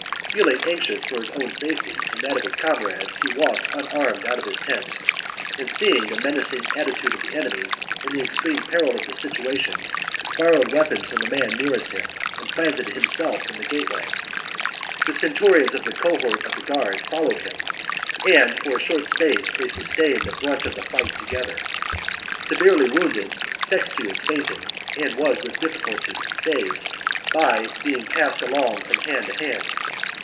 Feeling anxious for his own safety and that of his comrades, he walked unarmed out of his tent, 200 ILL OMENED ADUATUCA book 53 B.C. and, seeing the menacing attitude of the enemy and the extreme peril of the situation, borrowed weapons from the men nearest him and planted himself in the gateway. The centurions of the cohort on guard followed him, and for a short space they sustained the brunt of the fight together. Severely wounded, Sextius fainted and was with difficulty saved by being passed along from hand to hand.